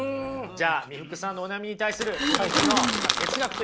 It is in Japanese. じゃあ三福さんのお悩みに対するキーツの哲学と言っていいでしょう。